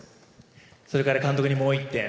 それから監督にもう一点。